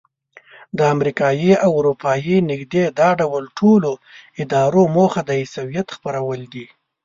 د امریکایي او اروپایي نږدې دا ډول ټولو ادارو موخه د عیسویت خپرول دي.